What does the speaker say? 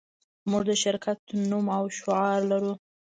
موږ د شرکت نوم او شعار لرو